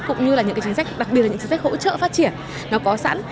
cũng như là những chính sách đặc biệt là những chính sách hỗ trợ phát triển có sẵn